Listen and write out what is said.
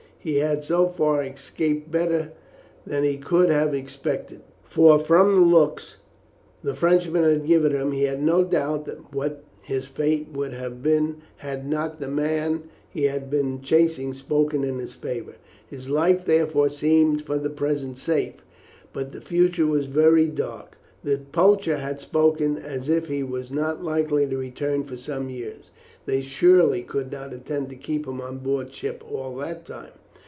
He had, so far, escaped better than he could have expected, for from the looks the Frenchmen had given him, he had no doubt what his fate would have been had not the man he had been chasing spoken in his favour. His life therefore seemed for the present safe, but the future was very dark. The poacher had spoken as if he was not likely to return for some years. They surely could not intend to keep him on board ship all that time.